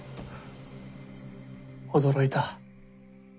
驚いた。